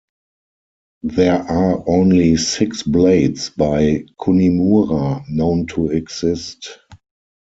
There are only six blades by Kunimura known to exist.